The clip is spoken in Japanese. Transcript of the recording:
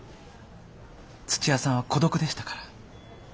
土屋さんは孤独でしたから。